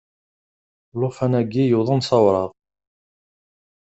Llufan-agi yuḍen sawraɣ.